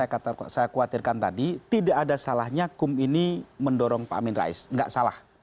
saya khawatirkan tadi tidak ada salahnya kum ini mendorong pak amin rais nggak salah